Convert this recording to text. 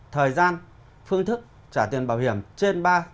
thời gian phương thức trả tiền bảo hiểm trên ba